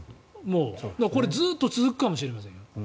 これずっと続くかもしれませんよ。